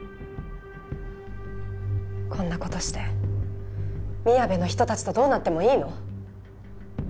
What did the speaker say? こんな事してみやべの人たちとどうなってもいいの？